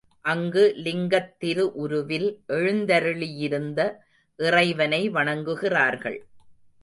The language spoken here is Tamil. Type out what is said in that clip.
அங்கு லிங்கத் திருஉருவில் எழுந்தருளியிருந்த இறைவனை வணங்குகிறார்கள்.